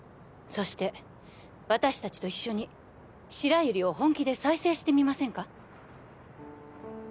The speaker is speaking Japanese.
そして私達と一緒に白百合を本気で再生してみませんか？